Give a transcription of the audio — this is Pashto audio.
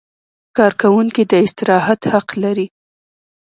کارکوونکی د استراحت حق لري.